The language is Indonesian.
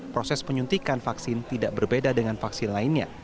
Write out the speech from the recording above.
proses penyuntikan vaksin tidak berbeda dengan vaksin lainnya